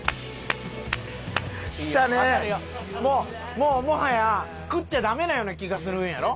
もうもはや食っちゃダメなような気がするんやろ？